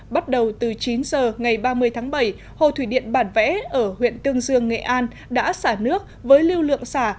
bắt đầu từ chín giờ ngày ba mươi tháng bảy hồ thủy điện bản vẽ ở huyện tương dương nghệ an đã xả nước với lưu lượng xả